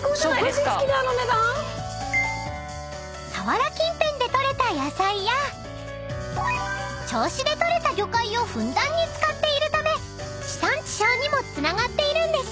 食事付きであの値段⁉［佐原近辺で取れた野菜や銚子で取れた魚介をふんだんに使っているため地産地消にもつながっているんです］